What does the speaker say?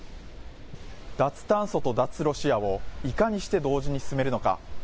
脱炭素と脱ロシアをいかにして同時に進めるのか。